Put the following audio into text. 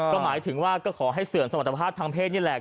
ก็หมายถึงว่าก็ขอให้เสื่อมสมรรถภาพทางเพศนี่แหละ